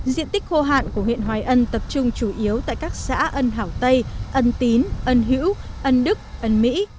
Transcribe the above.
diện tích khô hạn của huyện hoài ân tập trung chủ yếu tại các xã ân hảo tây ân tín ân hữu ân đức ân mỹ